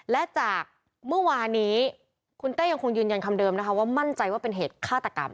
และจากเมื่อวานี้คุณเต้ยังคงยืนยันคำเดิมนะคะว่ามั่นใจว่าเป็นเหตุฆาตกรรม